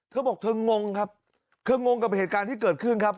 เธอบอกเธองงครับเธองงกับเหตุการณ์ที่เกิดขึ้นครับ